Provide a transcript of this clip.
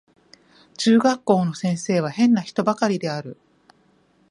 中学校の先生は変な人ばかりである